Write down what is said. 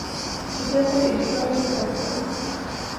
چې دغه اې ډي ګانې بلاک کړئ.